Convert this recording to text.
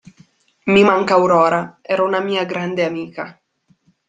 Mi manca Aurora, era una mia grande amica.